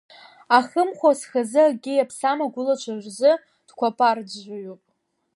Ахымхәа зхазы акгьы иаԥсам агәылацәа рзы дқәатәарӡәӡәаҩуп.